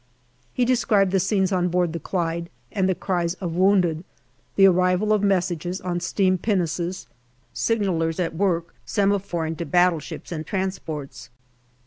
He described the scenes on board the Clyde t and the cries of wounded ; the arrival of messages on steam pinnaces, signallers at work semaphoring to battleships and trans ports.